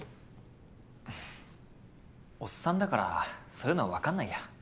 ふふっおっさんだからそういうの分かんないや。